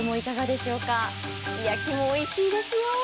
すき焼きもおいしいですよ。